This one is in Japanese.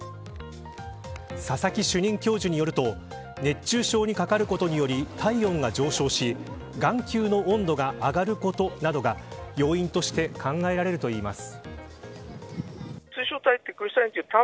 佐々木主任教授によると熱中症にかかることにより体温が上昇し眼球の温度が上がることなどが要因として考えられるといいます。